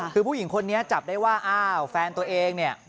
คือผู้หญิงคนนี้จับได้ว่าอ้าวแฟนตัวเองเนี่ย